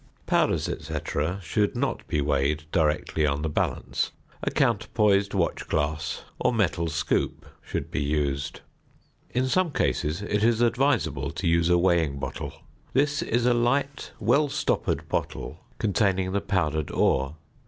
Powders, &c., should not be weighed directly on the balance; a counterpoised watch glass or metal scoop (fig. 25) should be used. In some cases it is advisable to use a weighing bottle. This is a light, well stoppered bottle (fig. 3) containing the powdered ore.